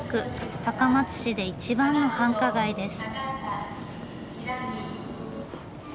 高松市で一番の繁華街です。